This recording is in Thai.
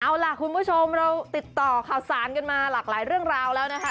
เอาล่ะคุณผู้ชมเราติดต่อข่าวสารกันมาหลากหลายเรื่องราวแล้วนะคะ